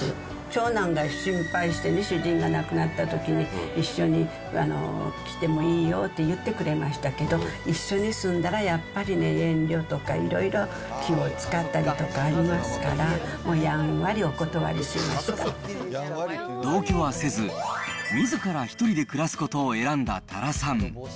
長男が心配してね、主人が亡くなったときに、一緒に来てもいいよって言ってくれましたけど、一緒に住んだら、やっぱりね、遠慮とかいろいろ、気を遣ったりだとかありますから、もう、やんわりお断りしました同居はせず、みずからひとりで暮らすことを選んだ多良さん。